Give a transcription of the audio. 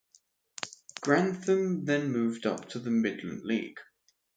Grantham then moved up to the Midland League.